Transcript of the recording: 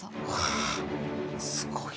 あすごい。